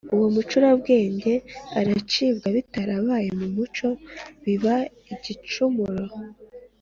uwo mucurabwenge aracibwa bitarabaye mu muco biba igicumuro